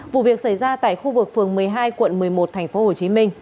vụ việc xảy ra tại khu vực phường một mươi hai quận một mươi một tp hcm